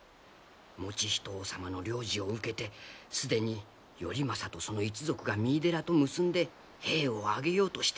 以仁王様の令旨を受けて既に頼政とその一族が三井寺と結んで兵を挙げようとしております。